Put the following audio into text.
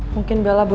belinya dan ariun